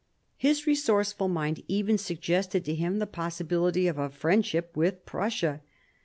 His resourceful mind even suggested to him the possibility of a friendship with Prussia.